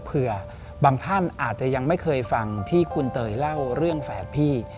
บางท่านอาจจะยังไม่เคยฟังที่คุณเตยเล่าเรื่องแฝดพี่